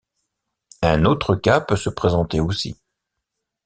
Un autre cas peut se présenter aussi.